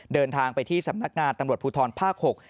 เดินทางไปที่สำนักงานตำรวจภูทรภาค๖